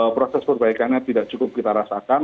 proses perbaikannya tidak cukup kita rasakan